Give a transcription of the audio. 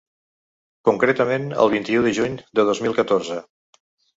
Concretament el vint-i-u de juny de dos mil catorze.